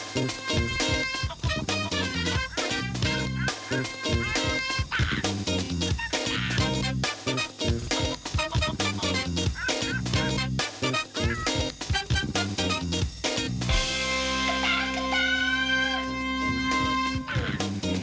จุดหลักจุดหลักจุดหลัก